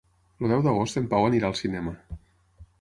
El deu d'agost en Pau anirà al cinema.